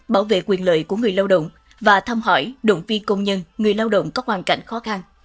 bảo vệ quyền lợi của người lao động và thăm hỏi động viên công nhân người lao động có hoàn cảnh khó khăn